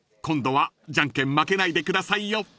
［今度はじゃんけん負けないでくださいよ］